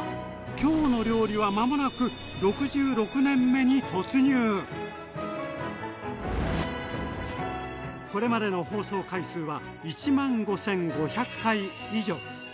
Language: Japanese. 「きょうの料理」は間もなくこれまでの放送回数は１５，５００回以上。